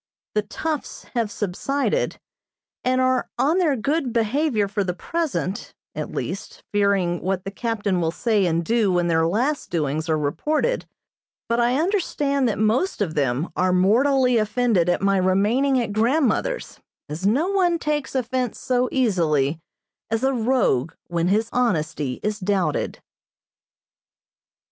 The "toughs" have subsided, and are on their good behavior for the present, at least, fearing what the captain will say and do when their last doings are reported, but I understand that most of them are mortally offended at my remaining at grandmother's, as no one takes offense so easily as a rogue when his honesty is doubted.